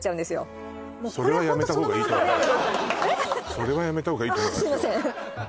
それはやめた方がいいと思いますああ